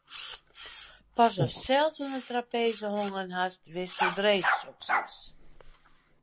Pas ast sels oan 'e trapeze hongen hast, witst hoe dreech soks is.